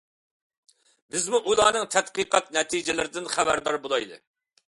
بىزمۇ ئۇلارنىڭ تەتقىقات نەتىجىلىرىدىن خەۋەردار بولايلى.